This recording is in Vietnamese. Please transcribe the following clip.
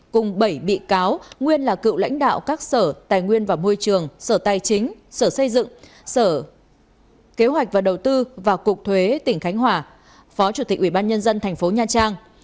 cùng bảy bị cáo nguyên là cựu lãnh đạo các sở tài nguyên và môi trường sở tài chính sở xây dựng sở kế hoạch và đầu tư và cục thuế tỉnh khánh hòa phó chủ tịch ubnd tp nha trang